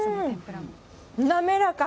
滑らか。